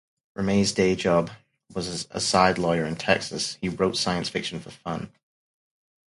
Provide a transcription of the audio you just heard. Ramey's "day-job" was as a lawyer in Texas; he wrote science fiction for fun.